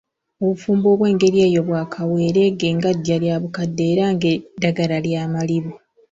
Obufumbo obw'engeri eyo bwa kaweereege nga ddya lya bukadde era ng'eddagala lya malibu!